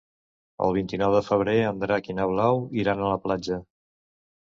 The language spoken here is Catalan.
El vint-i-nou de febrer en Drac i na Blau iran a la platja.